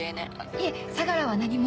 いえ相良は何も。